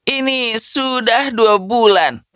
ini sudah dua bulan